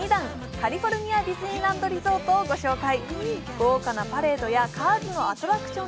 カリフォルニア・ディズニーランド・リゾートをご紹介。